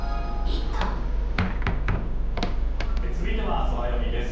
続いてはソラよみです。